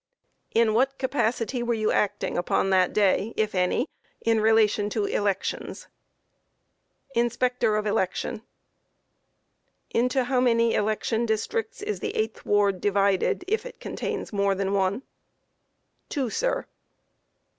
In what capacity were you acting upon that day, if any, in relation to elections? A. Inspector of election. Q. Into how many election districts is the 8th ward divided, if it contains more than one? A. Two, sir.